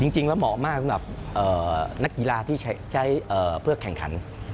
เหมาะมากสำหรับนักกีฬาที่ใช้เพื่อแข่งขัน